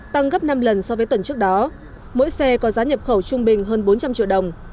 tăng gấp năm lần so với tuần trước đó mỗi xe có giá nhập khẩu trung bình hơn bốn trăm linh triệu đồng